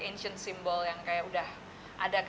insiden simbol yang kayak udah ada